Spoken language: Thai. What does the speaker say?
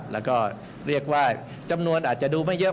แล้วก็เรียกว่าจำนวนอาจจะดูไม่เยอะ